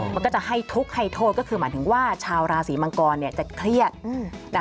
มันก็จะให้ทุกข์ให้โทษก็คือหมายถึงว่าชาวราศีมังกรจะเครียด